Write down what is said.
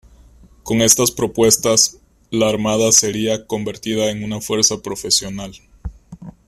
Con estas propuestas, la Armada sería convertida en una fuerza profesional.